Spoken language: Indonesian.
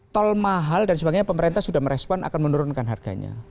tol mahal dan sebagainya pemerintah sudah merespon akan menurunkan harganya